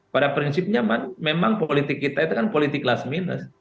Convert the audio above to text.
pada prinsipnya memang politik kita itu kan politik last minus